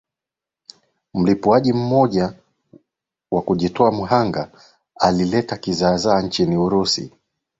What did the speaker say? mlipuaji mmoja wa kujitoa mhanga ameleta kizaazaa nchini urusi